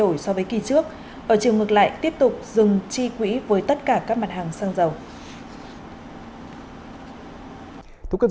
ở trường ngược lại tiếp tục dừng chi quỹ với tất cả các mặt hàng xăng dầu